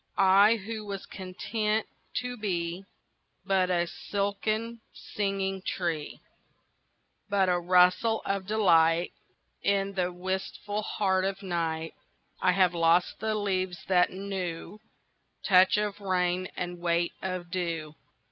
I who was content to beBut a silken singing tree, But a rustle of delightIn the wistful heart of night,I have lost the leaves that knewTouch of rain and weight of dew.